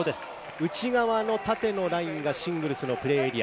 内側の縦のラインがシングルスのプレーエリア。